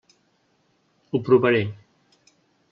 Ho provaré.